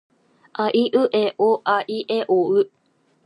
あいうえおあいえおう。